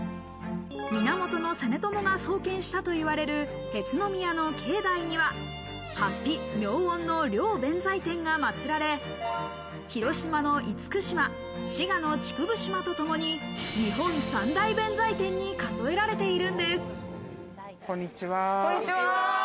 源実朝が創建したと言われる辺津宮の境内には、八臂、妙音の両弁財天がまつられ、広島の厳島、滋賀の竹生島とともに日本三大弁財天に数えられていこんにちは。